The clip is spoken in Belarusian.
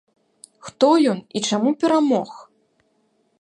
Хто ён і чаму перамог?